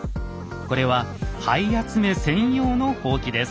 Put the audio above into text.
これは灰集め専用のほうきです。